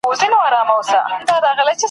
له یوې توري بلا خلاصېږې !.